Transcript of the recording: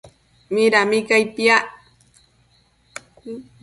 Midami cai piac?